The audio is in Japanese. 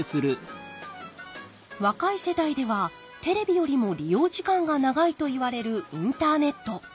若い世代ではテレビよりも利用時間が長いといわれるインターネット。